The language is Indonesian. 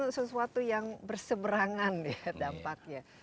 sesuatu yang berseberangan ya dampaknya